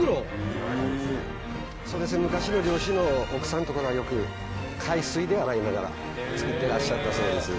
そうですね、昔の漁師の奥さんとかがよく、海水で洗いながら作ってらっしゃったそうです。